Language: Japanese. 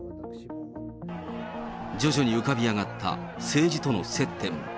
徐々に浮かび上がった政治との接点。